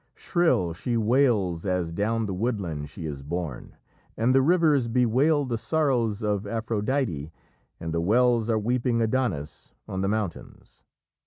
Shrill she wails as down the woodland she is borne.... And the rivers bewail the sorrows of Aphrodite, and the wells are weeping Adonis on the mountains.